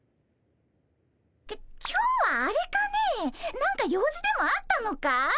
き今日はあれかね何か用事でもあったのかい？